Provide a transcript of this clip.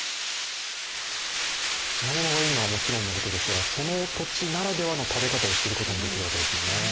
品物がいいのはもちろんですがその土地ならではの食べ方を知ることができるわけですもんね。